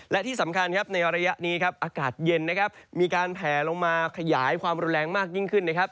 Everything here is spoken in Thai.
และที่สำคัญครับในระยะนี้ครับอากาศเย็นนะครับมีการแผลลงมาขยายความรุนแรงมากยิ่งขึ้นนะครับ